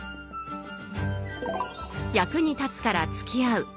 役に立つからつきあう